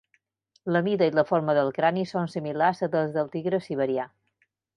La mida i la forma del crani són similars a les del tigre siberià.